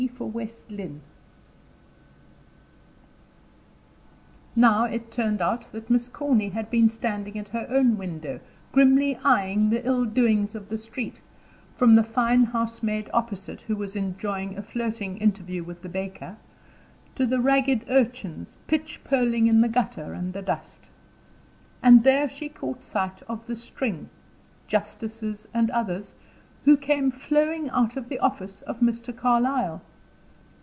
Now it turned out that Miss Corny had been standing at her own window, grimly eyeing the ill doings of the street, from the fine housemaid opposite, who was enjoying a flirting interview with the baker, to the ragged urchins, pitch polling in the gutter and the dust. And there she caught sight of the string, justices and others, who came flowing out of the office of Mr. Carlyle.